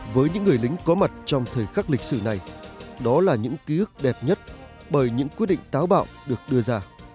với những người lính có mặt trong thời khắc lịch sử này đó là những ký ức đẹp nhất bởi những quyết định táo bạo được đưa ra